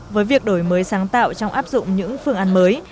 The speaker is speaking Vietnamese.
với việc đổi mới sáng tạo trong áp dụng những phương án mới